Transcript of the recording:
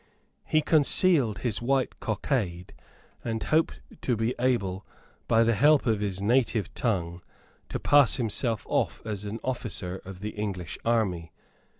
He concealed his white cockade, and hoped to be able, by the help of his native tongue, to pass himself off as an officer of the English army.